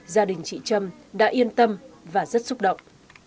gia đình chị trâm đã yên tâm và rất xúc động